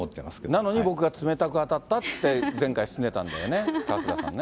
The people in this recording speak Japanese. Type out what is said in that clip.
なのに、僕が冷たく当たったって言って、前回すねたんだよね、春日さんね。